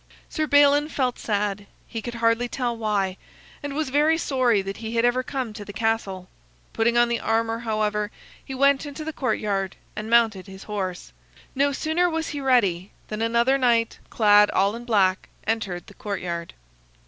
Sir Balin felt sad, he could hardly tell why; and was very sorry that he had ever come to the castle. Putting on the armor, however, he went into the courtyard and mounted his horse. No sooner was he ready than another knight, clad all in black, entered the courtyard.